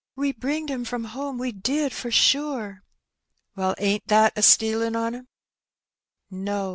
"We bringed 'em from home, we did, for sure." " Well, ain't that a stealin' on 'em ?"" No